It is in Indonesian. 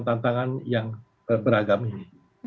tantangan yang beragam ini